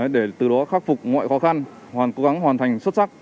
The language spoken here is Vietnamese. để từ đó khắc phục mọi khó khăn hoàn cố gắng hoàn thành xuất sắc